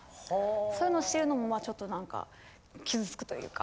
そういうのを知るのもちょっと何か傷付くというか。